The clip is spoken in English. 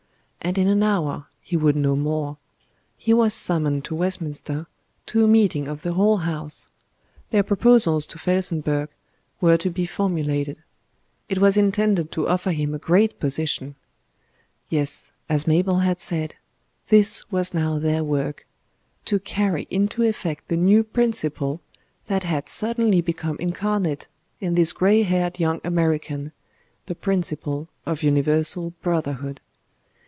And in an hour he would know more; he was summoned to Westminster to a meeting of the whole House; their proposals to Felsenburgh were to be formulated; it was intended to offer him a great position. Yes, as Mabel had said; this was now their work to carry into effect the new principle that had suddenly become incarnate in this grey haired young American the principle of Universal Brotherhood.